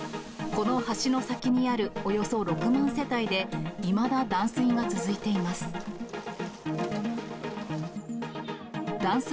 この橋の先にあるおよそ６万世帯で、いまだ断水が続いています。